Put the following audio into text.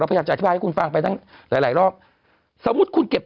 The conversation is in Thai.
พยายามจะอธิบายให้คุณฟังไปตั้งหลายหลายรอบสมมุติคุณเก็บ